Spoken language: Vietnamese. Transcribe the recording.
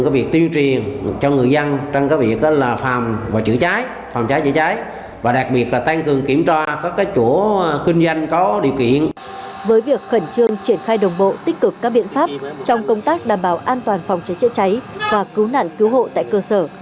với việc khẩn trương triển khai đồng bộ tích cực các biện pháp trong công tác đảm bảo an toàn phòng cháy chữa cháy và cứu nạn cứu hộ tại cơ sở